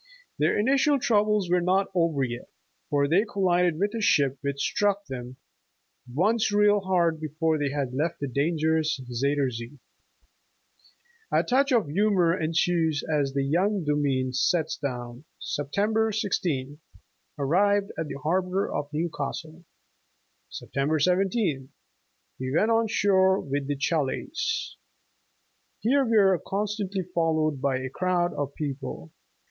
Their initial troubles were not yet over, for they collided with a ship, which struck them ''once real hard before they had left the danger ous Zuyder Zee." A touch of humor ensues as the young Domine sets down: ''Sept. 16th. Arrived at the harbor of New Castle. Sept. 17th. We went on shore with the 'Cha laise.' Here we were constantly followed by a crowd of people.